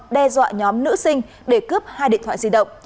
đe dọa nhóm nữ sinh để cướp hai điện thoại di động